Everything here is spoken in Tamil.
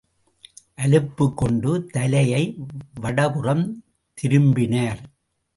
அலுப்புக்கொண்டு தலையை வடபுறம் திரும்பினார்.